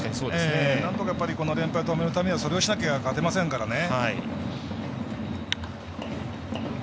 なんとかこの連敗止めるためにはそれをしなきゃ勝てませんからね。